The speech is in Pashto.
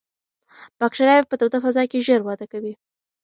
باکتریاوې په توده فضا کې ژر وده کوي.